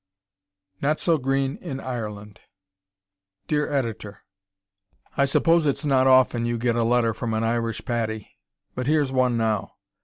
Not So "Green" in Ireland Dear Editor: I suppose it's not often you get a letter from an Irish "Paddy," but here's one now.